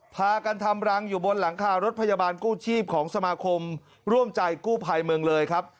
พากันทำรังอยู่บนหลังคารถพยาบาลกู้ชีพของสมาคมร่วมใจกู้ภัยเมืองเลยครับ